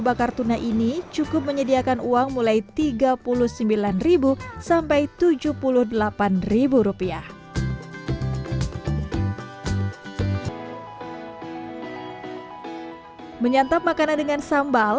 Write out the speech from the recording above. bakar tuna ini cukup menyediakan uang mulai tiga puluh sembilan sampai tujuh puluh delapan rupiah menyantap makanan dengan sambal